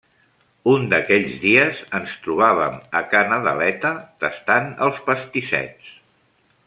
Un d'aquells dies ens trobàvem a Ca Nadaleta tastant els pastissets.